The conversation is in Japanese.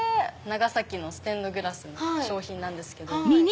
長崎のステンドグラスの商品なんですけど。